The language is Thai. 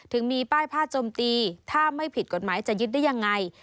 ถึงมีป้ายผ้าจมตีถ้าไม่ผิดกฎหมายจะยึดได้ยังไง